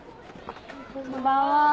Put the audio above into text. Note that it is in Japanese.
こんばんは。